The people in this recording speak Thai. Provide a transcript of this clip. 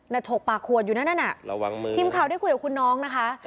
มี๖ปากควดอยู่นั่นพิมพ์ข่าวได้คุยกับคุณน้องนะคะ